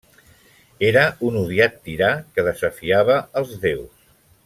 Era un odiat tirà, que desafiava als déus.